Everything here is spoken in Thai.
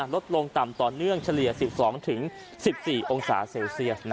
ลดลงต่ำต่อเนื่องเฉลี่ย๑๒๑๔องศาเซลเซียส